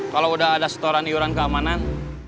kalau sudah ada setoran iuran keamanan